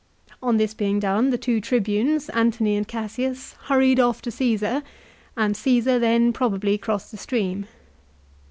On this being done the two Tribunes, Antony and Cassius, hurried off to Caesar, and Caesar then probably crossed the stream.